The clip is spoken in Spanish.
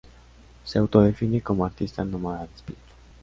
Se autodefine como "artista nómada de espíritu.